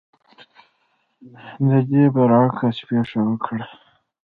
د دې برعکس پېښه وکړه.